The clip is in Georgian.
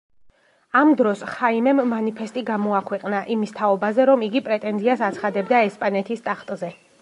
ამ დროს ხაიმემ მანიფესტი გამოაქვეყნა, იმის თაობაზე, რომ იგი პრეტენზიას აცხადებდა ესპანეთის ტახტზე.